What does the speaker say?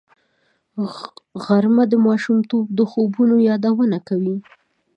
غرمه د ماشومتوب د خوبونو یادونه کوي